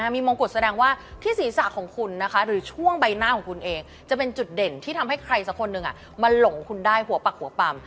มีมงกุฎแสดงว่าที่ศีรษะของคุณนะคะหรือช่วงใบหน้าของคุณเองจะเป็นจุดเด่นที่ทำให้ใครสักคนหนึ่งมาหลงคุณได้หัวปักหัวปำ